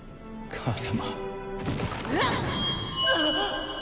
母様！